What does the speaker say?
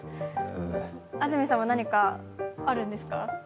安住さんは何かあるんですか？